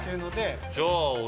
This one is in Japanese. じゃあ俺。